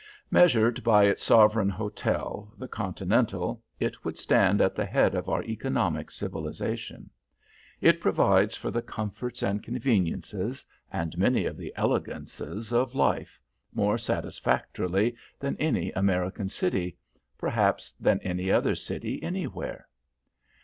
Measured by its sovereign hotel, the Continental, it would stand at the head of our economic civilization. It provides for the comforts and conveniences, and many of the elegances of life, more satisfactorily than any American city, perhaps than any other city anywhere.